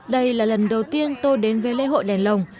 đây là lần đầu tiên tôi đến với lễ hội đèn lồng